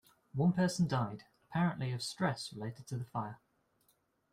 One person died, apparently of stress related to the fire.